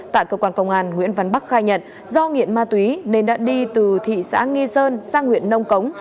tại cơ quan công an nguyễn văn bắc khai nhận do nghiện ma túy nên đã đi từ thị xã nghi sơn sang huyện nông cống